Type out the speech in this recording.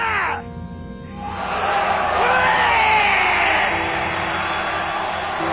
来い！